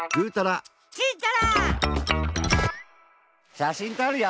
しゃしんとるよ！